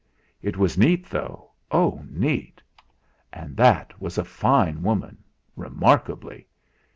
It was neat, though, oh! neat! And that was a fine woman remarkably!